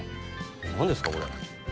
何ですかこれ？